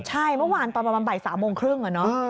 ใช่เมื่อวานตอนประมาณบ่าย๓โมงครึ่ง